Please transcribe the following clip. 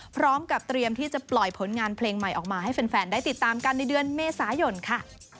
พร้อมกับเตรียมที่จะปล่อยผลงานเพลงใหม่ออกมาให้แฟนได้ติดตามกันในเดือนเมษายนค่ะ